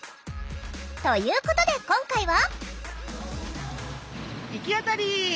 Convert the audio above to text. ということで今回は。